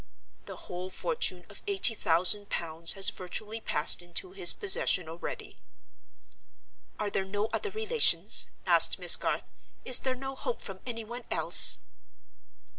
The whole fortune of eighty thousand pounds has virtually passed into his possession already." "Are there no other relations?" asked Miss Garth. "Is there no hope from any one else?"